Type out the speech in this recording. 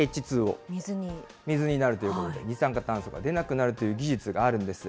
水になるということで、二酸化炭素が出なくなるという事実があるんです。